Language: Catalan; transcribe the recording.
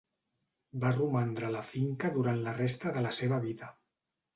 Va romandre a la finca durant la resta de la seva vida.